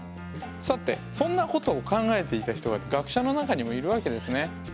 さてそんなことを考えていた人が学者の中にもいるわけですね。